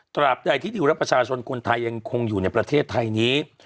ตราบใดที่ดิวและประชาชนคนไทยยังคงอยู่ในประเทศไทยนี้